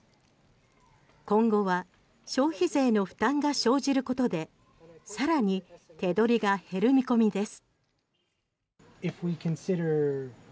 今後は消費税の負担が生じることでさらに手取りが減る見込みです。